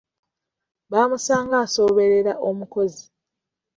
Bamusanga asooberera omukozi.